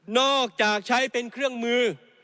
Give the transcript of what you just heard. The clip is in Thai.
อกจากใช้เป็นเครื่องมือ